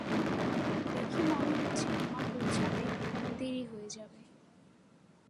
দেখে মনে হচ্ছে আমার পৌছাত দেরি হয়ে যাবে।